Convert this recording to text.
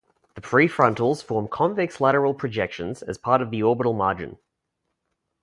The prefrontals form convex lateral projections as part of the orbital margin.